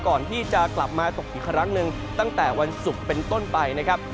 ก่อนที่จะกลับมาตกอีกครั้งหนึ่งตั้งแต่วันศุกร์เป็นต้นไปนะครับ